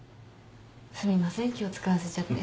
すみません気を使わせちゃって。